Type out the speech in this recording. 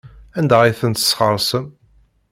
Anda ay tent-tesxeṣrem?